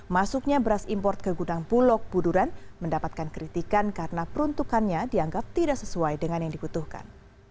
masuknya beras import ke gudang bulog buduran mendapatkan kritikan karena peruntukannya dianggap tidak sesuai dengan yang dibutuhkan